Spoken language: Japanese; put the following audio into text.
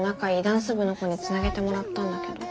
ダンス部の子につなげてもらったんだけど。